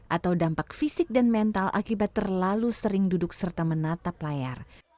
atau dampak fisik dan mental akibat terlalu sering duduk serta menatap layar